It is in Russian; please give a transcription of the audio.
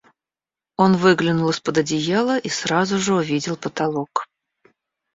Он выглянул из-под одеяла и сразу же увидел потолок.